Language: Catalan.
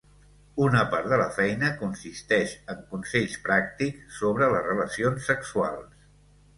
Una part de la feina consisteix en consells pràctics sobre les relacions sexuals.